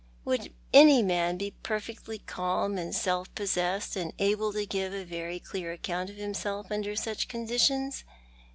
"Would any man be perfectly calm and self possessed and able to give a very clear account of himself under such con ditions